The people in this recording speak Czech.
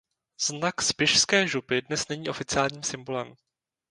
Znak Spišské župy dnes není oficiálním symbolem.